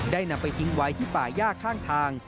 นำไปทิ้งไว้ที่ป่าย่าข้างทาง